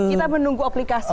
kita menunggu aplikasinya